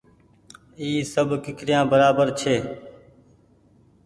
اي سب ڪيکريآن برابر ڇي۔